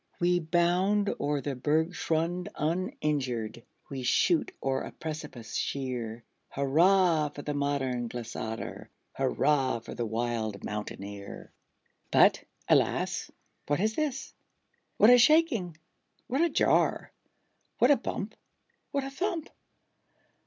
We bound o'er the bergschrund uninjured, We shoot o'er a precipice sheer; Hurrah, for the modern glissader! Hurrah, for the wild mountaineer! But, alas! what is this? what a shaking! What a jar! what a bump! what a thump!